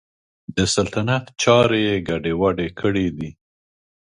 د سلطنت چارې یې ګډې وډې کړي دي.